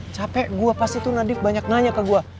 capek gue pas itu nadif banyak nanya ke gue